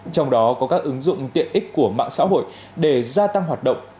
trong đó có các ứng dụng tiện ích của mạng xã hội để gia tăng hoạt động